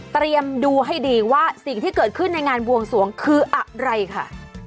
เตรียมดูให้ดีว่าสิ่งที่เกิดขึ้นในงานบวงสวงคืออะไรค่ะ